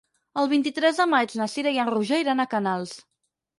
El vint-i-tres de maig na Cira i en Roger iran a Canals.